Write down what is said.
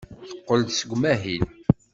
Teqqel-d seg umahil.